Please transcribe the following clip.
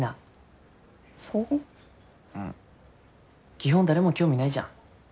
基本誰も興味ないじゃん。